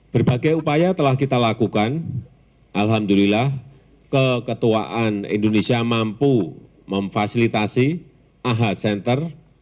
berbagai upaya telah kita lakukan alhamdulillah keketuaan indonesia mampu memfasilitasi aha center